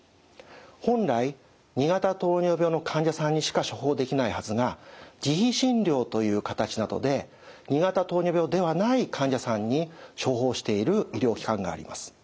本来２型糖尿病の患者さんにしか処方できないはずが自費診療という形などで２型糖尿病ではない患者さんに処方している医療機関があります。